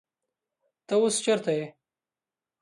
تۀ اوس چېرته يې ؟